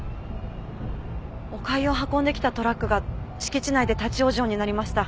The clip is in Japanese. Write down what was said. おかゆを運んできたトラックが敷地内で立ち往生になりました。